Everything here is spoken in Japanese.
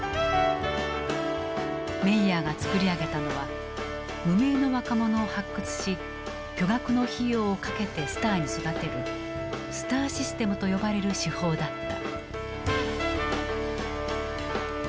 メイヤーが作り上げたのは無名の若者を発掘し巨額の費用をかけてスターに育てる「スターシステム」と呼ばれる手法だった。